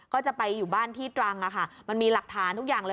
ก็จะไปอยู่บ้านที่ตรังมันมีหลักฐานทุกอย่างเลย